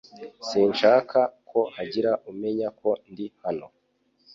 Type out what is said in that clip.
Sinshaka ko hagira umenya ko ndi hano